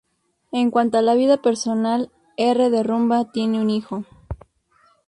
En cuanto a la vida personal, R de Rumba tiene un hijo.